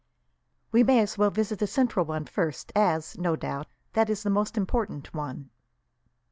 "We may as well visit the Central one first, as, no doubt, that is the most important one."